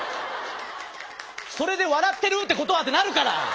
それで笑ってるってことはってなるから！